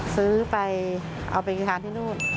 ซื้อไปเอาไปทานที่นู่น